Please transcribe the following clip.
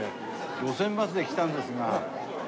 『路線バス』で来たんですが。